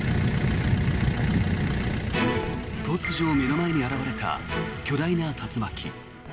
突如、目の前に現れた巨大な竜巻。